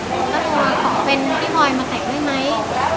หนูก็รู้ว่าขอเป็นพี่พอยมาแต่งด้วยไหม